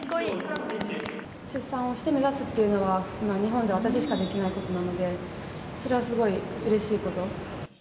出産をして目指すっていうのが今、日本では私しかできないことなので、それはすごいうれしいこと。